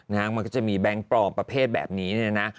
มันก็จะมีแบงค์ปลอมประเภทแบบนี้นะ